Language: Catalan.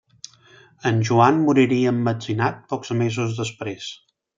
En Joan moriria emmetzinat pocs mesos després.